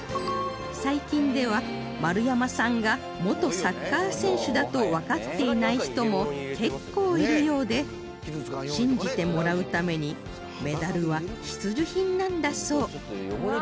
最近では丸山さんが元サッカー選手だとわかっていない人も結構いるようで信じてもらうためにメダルは必需品なんだそう